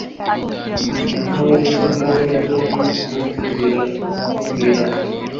Intore zintore zo mwisi zirakwubaha